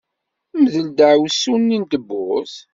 Mdel ddeɛwessu-nni n tewwurt!